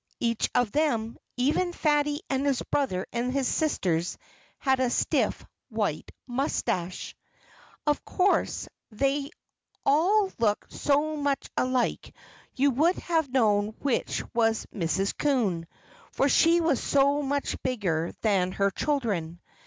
each of them, even Fatty and his brother and his sisters, had a stiff, white moustache! Of course, though they all looked so much alike, you would have known which was Mrs. Coon, for she was so much bigger than her children.